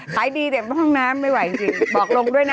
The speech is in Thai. ขายดีแต่ห้องน้ำไม่ไหวจริงบอกลงด้วยนะ